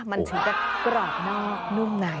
มันถึงจะกรอบนอกนุ่มใน